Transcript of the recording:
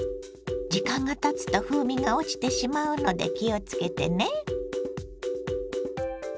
時間がたつと風味が落ちてしまうので気をつけてね。